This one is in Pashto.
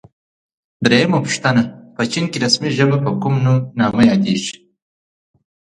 درېمه پوښتنه: په چین کې رسمي ژبه په کوم نامه یادیږي؟